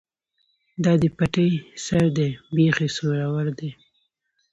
ـ دا دې پټي سر دى ،بېخ يې سورور دى.